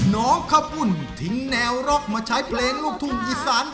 น้องข้าวปุ่นทิ้งแนวร็อกมาใช้เพลงลูกทุ่งอีสาน